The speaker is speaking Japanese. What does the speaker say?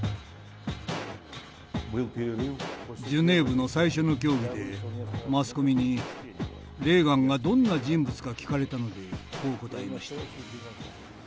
ジュネーブの最初の協議でマスコミにレーガンがどんな人物か聞かれたのでこう答えました。